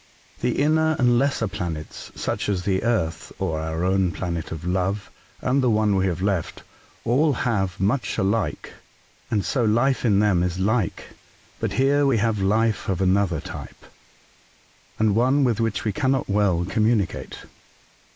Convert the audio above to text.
The inner and lesser planets, such as the Earth, or our own planet of love, and the one we have left, all have much alike, and so life in them is like ; but here we have life of another type, and one with which we cannot well communi cate."